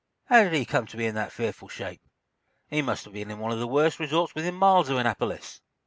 How did he come to be in that fearful shape? He must have been in one of the worst resorts within miles of Annapolis!"